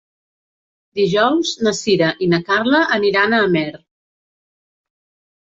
Dijous na Sira i na Carla aniran a Amer.